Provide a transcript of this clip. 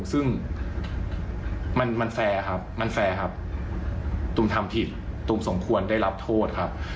ซึ่งมันแฟร์ตุ้มทำผิดตุ้มสมควรได้รับโทษครับ